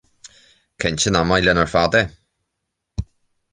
Cinnte, nach maith linn ar fad é?